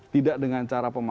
tidak dengan cara kultural